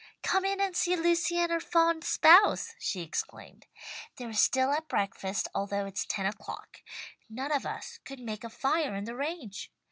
"Come in and see Lucy and her fond spouse," she exclaimed. "They're still at breakfast although it's ten o'clock. None of us could make a fire in the range.